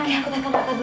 oke aku telfon raka dulu